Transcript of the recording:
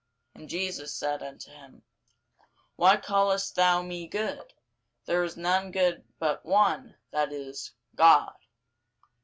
And Jesus said unto him, Why callest thou me good? there is none good but one, that is, God.